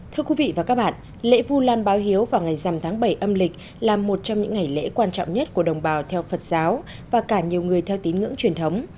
thưa quý vị và các bạn lễ vu lan báo hiếu vào ngày dằm tháng bảy âm lịch là một trong những ngày lễ quan trọng nhất của đồng bào theo phật giáo và cả nhiều người theo tín ngưỡng truyền thống